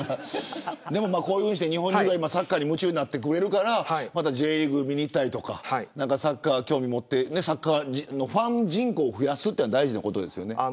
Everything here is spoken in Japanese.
日本中がサッカーに夢中になってくれるからＪリーグ見に行ったりサッカーに興味を持ってファンの人口増やすのは大事なことですよね。